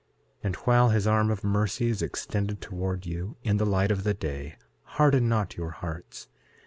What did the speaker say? And while his arm of mercy is extended towards you in the light of the day, harden not your hearts.